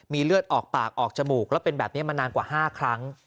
เลือดออกปากออกจมูกแล้วเป็นแบบนี้มานานกว่า๕ครั้ง